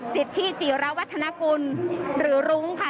สิทธิจิระวัฒนกุลหรือรุ้งค่ะ